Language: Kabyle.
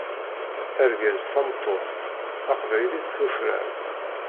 Argaz tameṭṭut, taqbaylit tufrar.